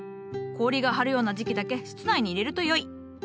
氷が張るような時期だけ室内に入れるとよい。